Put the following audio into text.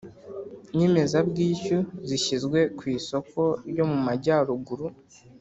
Nyemezabwishyu zishyizwe ku isoko ryo mumajyaruguru